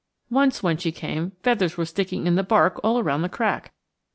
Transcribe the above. Once when she came, feathers were sticking in the bark all around the crack.